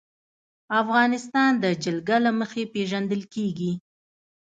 افغانستان د جلګه له مخې پېژندل کېږي.